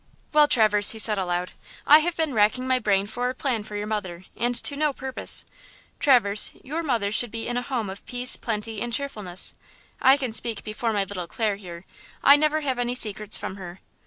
"Well, Traverse," he said aloud, "I have been racking my brain for a plan for your mother, and to no purpose. Traverse, your mther should be in a home of peace, plenty and cheerfulness–I can speak before my little Clare here; I never have any secrets from her.